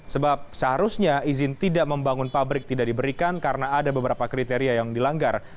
sebab seharusnya izin tidak membangun pabrik tidak diberikan karena ada beberapa kriteria yang dilanggar